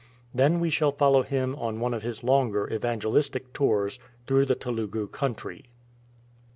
Then we shall follow him on one of his longer evangelistic tours through the Telugu country.